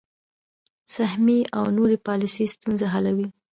سهمیې او نورې پالیسۍ ستونزه حلوي.